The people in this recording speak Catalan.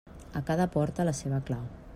A cada porta, la seva clau.